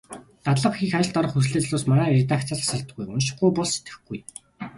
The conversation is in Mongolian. Дадлага хийх, ажилд орох хүсэлтэй залуус манай редакцаас тасардаггүй. УНШИХГҮЙ БОЛ СЭТГЭХГҮЙ.